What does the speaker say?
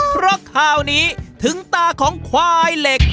เพราะข่าวนี้ถึงตาของควายเหล็ก